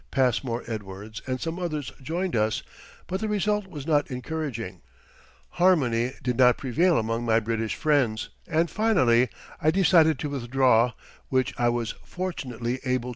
Passmore Edwards and some others joined us, but the result was not encouraging. Harmony did not prevail among my British friends and finally I decided to withdraw, which I was fortunately able to do without loss.